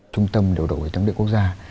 trung tâm điều đội tổng địa quốc gia